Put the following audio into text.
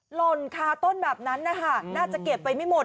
หล่นคาต้นแบบนั้นนะคะน่าจะเก็บไปไม่หมด